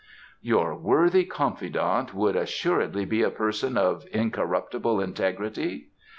"Your worthy confidant would assuredly be a person of incorruptible integrity?"